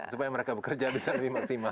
supaya mereka bekerja bisa lebih maksimal